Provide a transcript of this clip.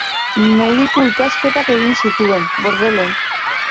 Mediku ikasketak egin zituen, Bordelen.